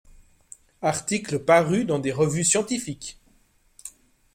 Articles parus dans des revues scientifiques.